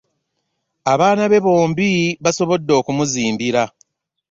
Abaana be bambi basobodde okumuzimbira.